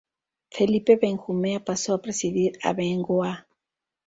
Felipe Benjumea pasó a presidir Abengoa.